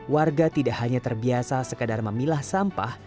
warga tidak hanya terbiasa sekadar memilah sampah